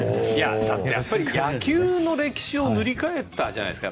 野球の歴史を塗り替えたじゃないですか。